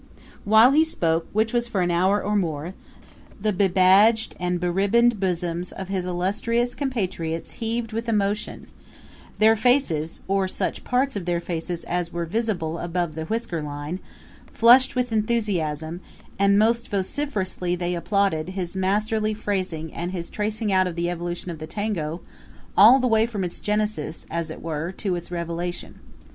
While he spoke, which was for an hour or more, the bebadged and beribboned bosoms of his illustrious compatriots heaved with emotion; their faces or such parts of their faces as were visible above the whiskerline flushed with enthusiasm, and most vociferously they applauded his masterly phrasing and his tracing out of the evolution of the tango, all the way from its Genesis, as it were, to its Revelation.